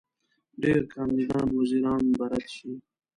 ډېر کاندید وزیران به رد شي.